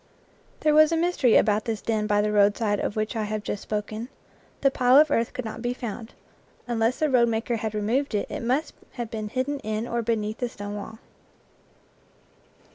There was a mystery about this den by the road side of which I have just spoken the pile of earth could not be found; unless the roadmaker had re moved it, it must have been hidden in or beneath the stone wall.